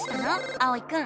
あおいくん。